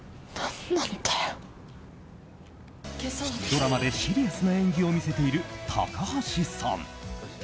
ドラマでシリアスな演技を見せている高橋さん。